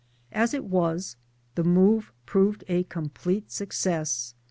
As it was the move proved a complete success.